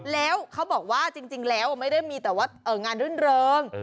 แล้วเขาบอกว่าจริงแล้วไม่ได้มีแต่ว่างานรื่นเริง